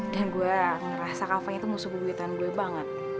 dan gue ngerasa kafanya tuh musuh gugitan gue banget